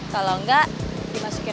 kalau enggak dimasukin aja